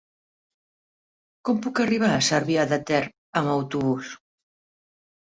Com puc arribar a Cervià de Ter amb autobús?